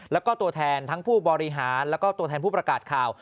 แล้วก็ตัวแทนทั้งผู้บริหารแล้วก็ตัวแทนผู้ประกาศข่าว